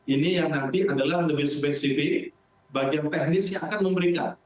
ini yang nanti adalah lebih spesifik bagian teknis yang akan memberikan